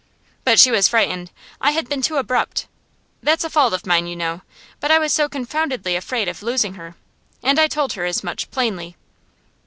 But she was frightened; I had been too abrupt. That's a fault of mine, you know; but I was so confoundedly afraid of losing her. And I told her as much, plainly.